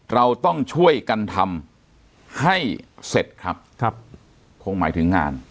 เราต้องช่วยกันทำให้เสร็จครับครับคงหมายถึงงาน